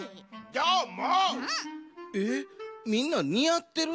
どーも？